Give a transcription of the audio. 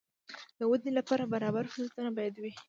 د ودې لپاره برابر فرصتونه باید وي.